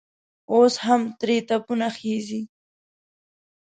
اوس هم ترې تپونه خېژي.